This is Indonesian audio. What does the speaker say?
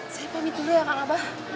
saya pamit dulu ya kak abah